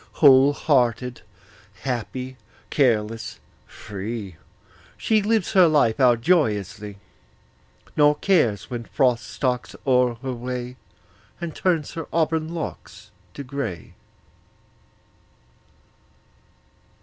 Whole hearted, happy, careless, free, She lives her life out joyously, Nor cares when Frost stalks o'er her way And turns her auburn locks to gray.